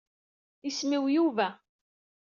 Isem-iw Yuba.